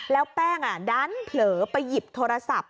แล้วแป้งดันเผลอไปหยิบโทรศัพท์